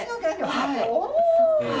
はい。